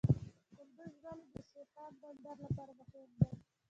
کندز ولې د شیرخان بندر لپاره مهم دی؟